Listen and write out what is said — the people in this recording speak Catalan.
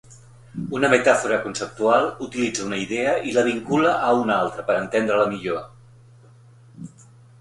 Una metàfora conceptual utilitza una idea i la vincula a una altra per entendre-la millor.